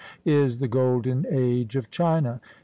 is the Golden Age of China.